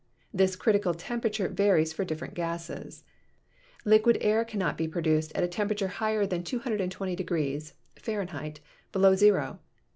This critical temperature varies for different gases. Liquid air cannot be produced at a temperature higher than 220 (Fahrenheit) below zero.